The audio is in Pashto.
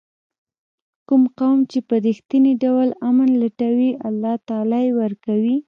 کوم قوم چې په رښتیني ډول امن لټوي الله تعالی یې ورکوي.